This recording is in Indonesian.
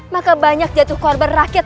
maka banyak jatuh korban rakyat